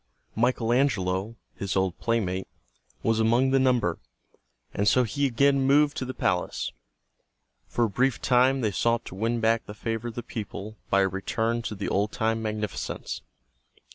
Michael Angelo, his old playmate, was among the number, and so he again moved to the palace. For a brief time they sought to win back the favor of the people by a return to the old time magnificence.